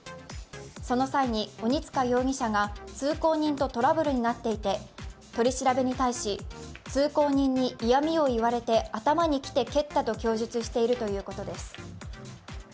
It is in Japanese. その際に鬼束容疑者が通行人とトラブルになっていて、取り調べに対し、通行人に嫌みを言われて頭にきて蹴ったと供述しているということです。